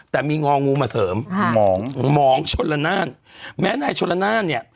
แต่มีงองูมาเสริมหมองหมองชนละนานแม้นายชนละนานเนี่ย